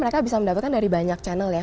mereka bisa mendapatkan dari banyak channel ya